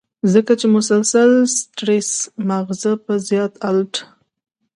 ځکه چې مسلسل سټرېس مازغۀ پۀ زيات الرټ